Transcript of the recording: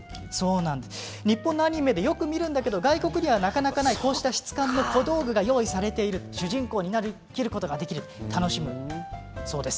日本のアニメでよく見るんだけど外国にはなかなかないこういう質感の小道具が用意されていて主人公になりきることができるということです。